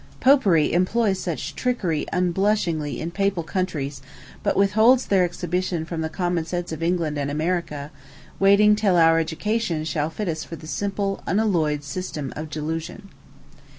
Popery employs such trickery unblushingly in Papal countries, but withholds their exhibition from the common sense of England and America, waiting till our education shall fit us for the simple, unalloyed system of delusion.